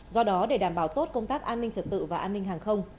do đó để đảm bảo tốt công tác an ninh trật tự và an ninh hàng không